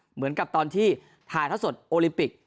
เหมือนกับตอนที่ถ่ายท่อสดโอลิมปิก